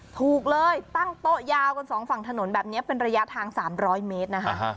ถูกเลยตั้งโต๊ะยาวกันสองฝั่งถนนแบบนี้เป็นระยะทาง๓๐๐เมตรนะคะ